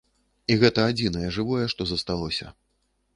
І гэта адзінае жывое, што засталося.